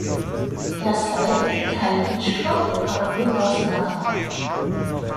Er sei „kein Hitchcock, aber durchaus nah dran“.